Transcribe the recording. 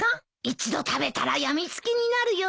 一度食べたら病みつきになるよ。